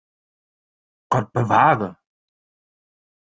Gott bewahre!